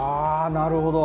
なるほど。